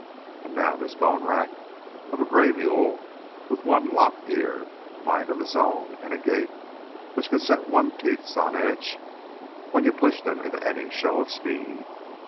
And now this bone rack of a gray mule with one lop ear, a mind of his own, and a gait which could set one's teeth on edge when you pushed him into any show of speed.